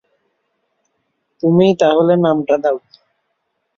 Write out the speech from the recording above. তুমিই তা হলে নামটা দাও।